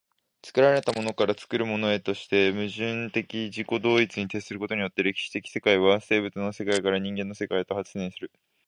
作られたものから作るものへとして、矛盾的自己同一に徹することによって、歴史的世界は生物の世界から人間の世界へと発展する。